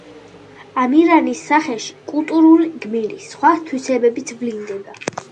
ამირანის სახეში კულტურული გმირის სხვა თვისებებიც ვლინდება.